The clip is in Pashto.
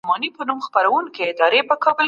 د څېړني ډولونه د پوهانو لخوا په نښه شول.